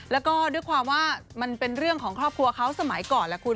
แล้วก็ด้วยความว่ามันเป็นเรื่องของครอบครัวเขาสมัยก่อนแหละคุณ